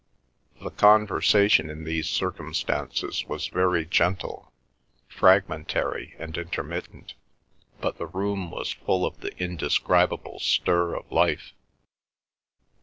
The conversation in these circumstances was very gentle, fragmentary, and intermittent, but the room was full of the indescribable stir of life.